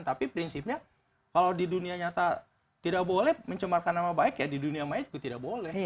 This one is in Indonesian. tapi prinsipnya kalau di dunia nyata tidak boleh mencemarkan nama baik ya di dunia maya juga tidak boleh